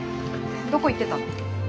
どこ行ってたの？